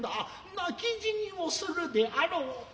泣き死にをするであろう」と。